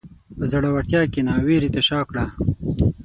په زړورتیا کښېنه، وېرې ته شا کړه.